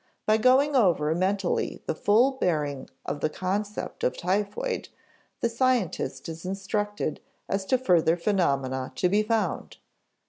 By going over mentally the full bearing of the concept of typhoid, the scientist is instructed as to further phenomena to be found.